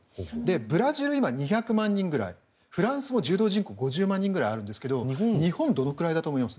ブラジル、今２００人ぐらいフランスも柔道人口が５０万人ぐらいあるんですが日本はどのぐらいあると思いますか？